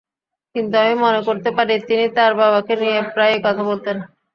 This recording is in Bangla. কিন্তু আমি মনে করতে পারি, তিনি তাঁর বাবাকে নিয়ে প্রায়ই কথা বলতেন।